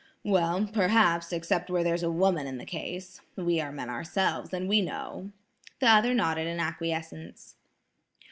"Well, perhaps, except where there's a woman in the case. We are men ourselves, and we know." The other nodded in acquiescence.